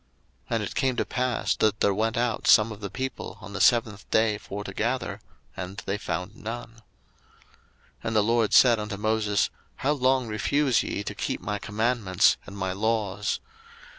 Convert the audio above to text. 02:016:027 And it came to pass, that there went out some of the people on the seventh day for to gather, and they found none. 02:016:028 And the LORD said unto Moses, How long refuse ye to keep my commandments and my laws?